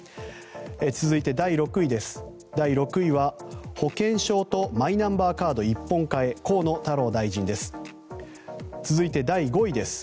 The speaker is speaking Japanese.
続いて第６位は保険証とマイナンバーカード一本化へ河野太郎大臣です。